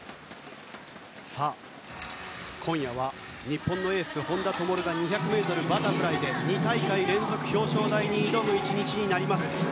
今夜は日本のエース、本多灯が２００ｍバタフライで２大会連続表彰台に挑む１日になります。